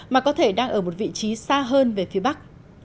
mà có thể đang ở một vị trí xa hơn về phía bắc